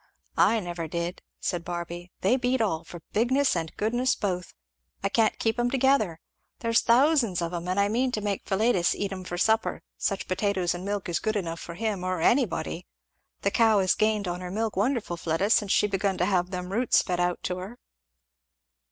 "I never did," said Barby. "They beat all, for bigness and goodness both. I can't keep 'em together. There's thousands of 'em, and I mean to make Philetus eat 'em for supper such potatoes and milk is good enough for him, or anybody. The cow has gained on her milk wonderful, Fleda, since she begun to have them roots fed out to her."